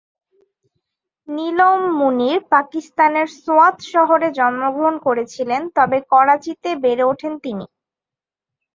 নীলম মুনির পাকিস্তানের সোয়াত শহরে জন্মগ্রহণ করেছিলেন তবে করাচিতে বেড়ে ওঠেন তিনি।